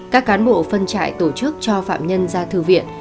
các cán bộ phân trại tổ chức cho phạm nhân ra thư viện